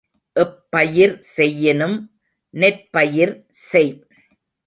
எப்பயிர் செய்யினும் நெற்பயிர் செய்.